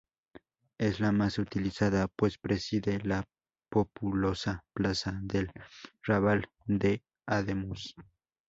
Es la más utilizada, pues preside la populosa Plaza del Rabal de Ademuz.